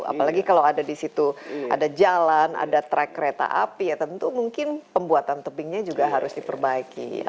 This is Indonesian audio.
apalagi kalau ada di situ ada jalan ada track kereta api ya tentu mungkin pembuatan tebingnya juga harus diperbaiki